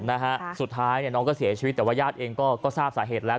นะฮะสุดท้ายเนี่ยน้องก็เสียชีวิตแต่ว่าญาติเองก็ก็ทราบสาเหตุแล้ว